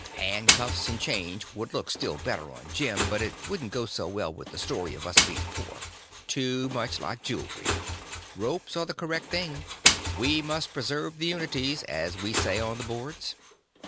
Handcuffs and chains would look still better on Jim, but it wouldn't go well with the story of us being so poor. Too much like jewelry. Ropes are the correct thing—we must preserve the unities, as we say on the boards."